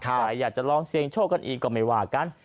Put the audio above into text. ใครอยากจะลองเสี่ยงโชคกันอีกก็ไม่ว่ากัน